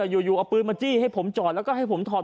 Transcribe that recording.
อยู่เอาปืนมาจี้ให้ผมจอดแล้วก็ให้ผมถอด